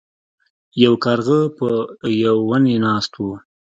یو کارغه په یو ونې ناست و.